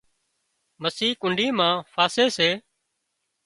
مسي ڪنڍي مان ڦاسي سي